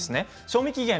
賞味期限